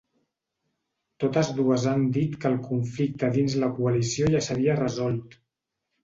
Totes dues han dit que el conflicte dins la coalició ja s’havia resolt.